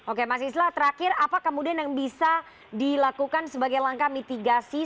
oke mas islah terakhir apa kemudian yang bisa dilakukan sebagai langkah mitigasi